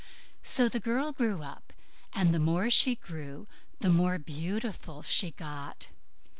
So the girl grew up, and the more she grew the more beautiful she got.